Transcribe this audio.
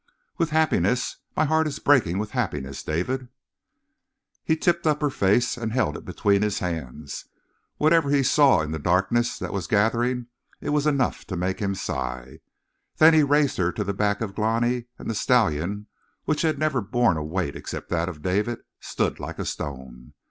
"With happiness. My heart is breaking with happiness, David." He tipped up her face and held it between his hands. Whatever he saw in the darkness that was gathering it was enough to make him sigh. Then he raised her to the back of Glani, and the stallion, which had never borne a weight except that of David, stood like a stone.